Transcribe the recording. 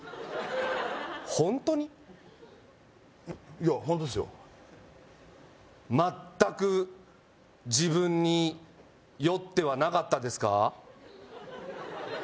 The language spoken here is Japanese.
いやホントですよ全く自分に酔ってはなかったですか？